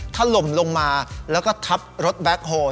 ถล่มลงมาแล้วก็ทับรถแบ็คโฮล